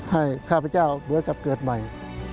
ให้ข้าพเจ้าเบื้อกับเกิดใหม่